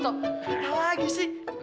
apa lagi sih